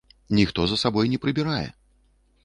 Ніхто за сабой не прыбірае.